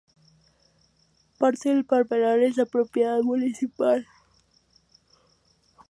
Parte del palmeral es de propiedad municipal.